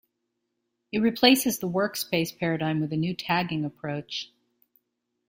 It replaces the workspace paradigm with a new tagging approach.